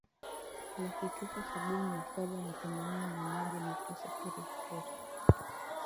laki tisa sabini na saba na themanini na moja nukta sifuri sifuri